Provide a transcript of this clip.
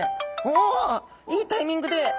おおいいタイミングで！